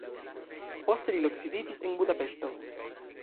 Poste li loksidiĝis en Budapeŝto.